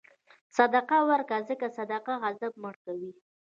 صدقه ورکوه، ځکه صدقه غضب مړه کوي.